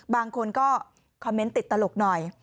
บางคนก็คอมเมนต์ติดตลกหน่อย